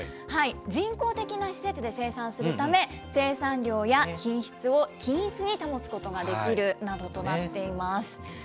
人工的な施設で生産するため、生産量や品質を均一に保つことができるなどとなっています。